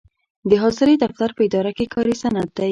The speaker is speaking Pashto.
د حاضرۍ دفتر په اداره کې کاري سند دی.